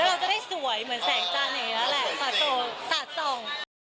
แล้วเราจะได้สวยเหมือนแสงจันทร์อย่างงี้น่ะแหละสะโสสะสอง